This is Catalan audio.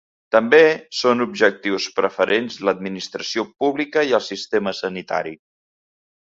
També són objectius preferents l’administració pública i el sistema sanitari.